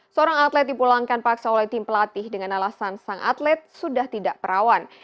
seorang atlet dipulangkan paksa oleh tim pelatih dengan alasan sang atlet sudah tidak perawan